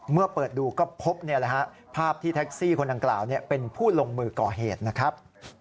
เมื่อเปิดดูก็พบภาพที่แท็กซี่คนดังกล่าวเป็นผู้ลงมือก่อเหตุนะครับ